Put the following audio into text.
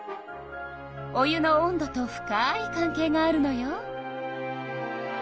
お湯の温度と深い関係があるのよ。